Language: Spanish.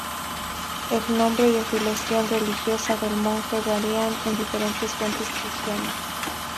El nombre y afiliación religiosa del monje varían en diferentes fuentes cristianas.